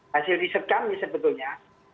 hasil riset kami sebetulnya